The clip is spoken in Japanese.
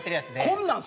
なんなん？